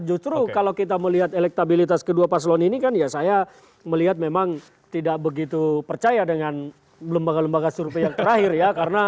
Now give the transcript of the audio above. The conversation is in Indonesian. justru kalau kita melihat elektabilitas kedua paslon ini kan ya saya melihat memang tidak begitu percaya dengan lembaga lembaga survei yang terakhir ya